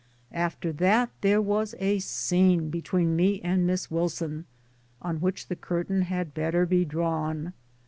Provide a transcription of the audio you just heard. After that there was a scene between me and Miss Wilson on which the curtain had better be drawn